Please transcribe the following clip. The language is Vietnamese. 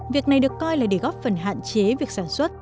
việc này được coi là để góp phần hạn chế việc sản xuất